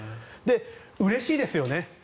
うれしいですよね。